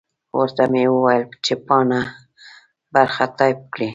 ورته مې وویل چې پاته برخه ټایپ کړي.